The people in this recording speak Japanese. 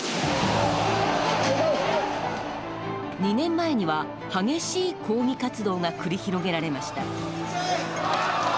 ２年前には激しい抗議活動が繰り広げられました。